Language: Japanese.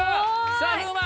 さぁ風磨。